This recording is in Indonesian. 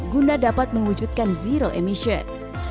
guna dapat mewujudkan zero emission